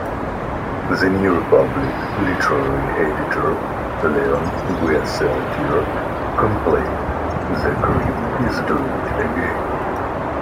"The New Republic" literary editor, Leon Wieseltier, complained, "The creep is doing it again.